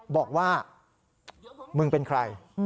บอกว่ามึงเป็นใคร